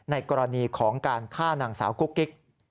ในกรณีของการฆ่านางสาวกุ๊กกิ๊ก